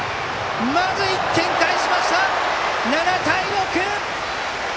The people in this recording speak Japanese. まず１点返しました７対６！